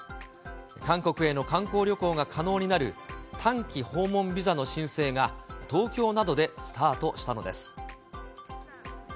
韓国への観光旅行が可能になる短期訪問ビザの申請が、東京などでスタートしたのです。